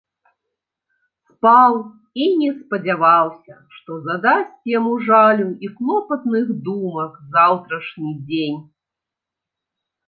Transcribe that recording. Спаў і не спадзяваўся, што задасць яму жалю і клопатных думак заўтрашні дзень.